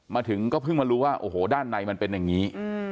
มาถึงก็เพิ่งมารู้ว่าโอ้โหด้านในมันเป็นอย่างนี้